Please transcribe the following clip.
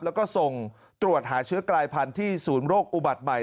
แล้วก็ส่งตรวจหาเชื้อกลายพันธุ์ที่ศูนย์โรคอุบัติใหม่